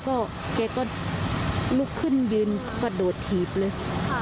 เกยก็รุกขึ้นยืนกระโดดโถีบเลย